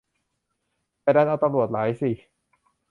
แต่ดันเอาตำรวจหลายสิ